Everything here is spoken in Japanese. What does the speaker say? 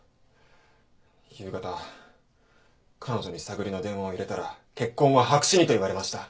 「夕方彼女に探りの電話を入れたら結婚は白紙にと言われました」